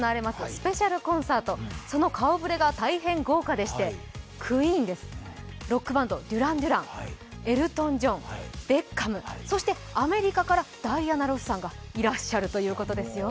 スペシャルコンサート、その顔ぶれが大変豪華でしてＱＵＥＥＮ、ロックバンドのデュラン・デュラン、エルトン・ジョン、ベッカム、そしてアメリカからダイアナ・ロスさんがいらっしゃるということですよ。